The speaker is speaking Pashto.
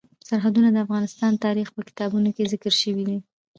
سرحدونه د افغان تاریخ په کتابونو کې ذکر شوی دي.